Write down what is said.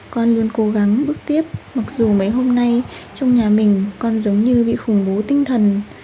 con luôn cố gắng bước tiếp mặc dù mấy hôm nay trong nhà mình con giống như bị khủng bố tinh thần